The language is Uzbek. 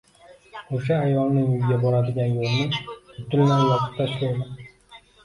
O`sha ayolning uyiga boradigan yo`lni butunlay yopib tashlayman